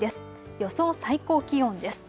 予想最高気温です。